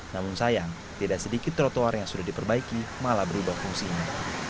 namun sayang tidak sedikit trotoar yang sudah diperbaiki malah berubah fungsinya